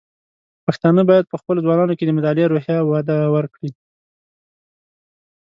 پښتانه بايد په خپلو ځوانانو کې د مطالعې روحيه وده ورکړي.